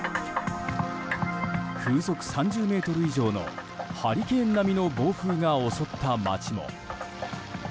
風速３０メートル以上のハリケーン並みの暴風が襲った町も。